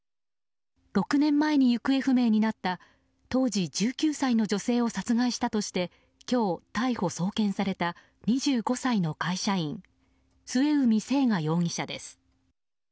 ６年前に行方不明になった当時１９歳の女性を殺害したとして今日、逮捕・送検された２５歳の会社員末海征河容疑者です。